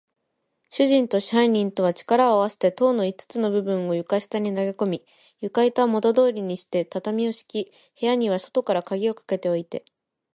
主人と支配人とは、力をあわせて塔の五つの部分を床下に投げこみ、床板をもとどおりにして、畳をしき、部屋には外からかぎをかけておいて、